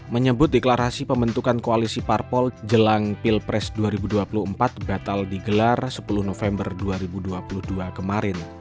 menyebut deklarasi pembentukan koalisi parpol jelang pilpres dua ribu dua puluh empat batal digelar sepuluh november dua ribu dua puluh dua kemarin